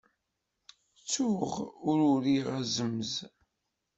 Ttuɣ ur uriɣ azemz?